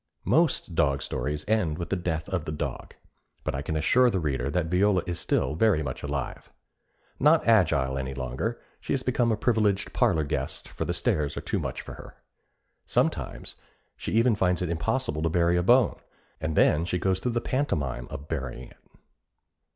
Most dog stories end with the death of the dog, but I can assure the reader that Viola is still very much alive. Not agile any longer, she has become a privileged parlor guest, for the stairs are too much for her. Sometimes she even finds it impossible to bury a bone, and then she goes through the pantomime of burying it.